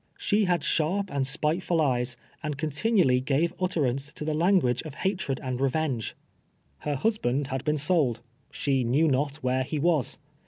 She had sharp and spiteful eyes, and con tinually gave utterance to the language of hatred an<l i evenge. Her husband had been sold. She knew not where she was.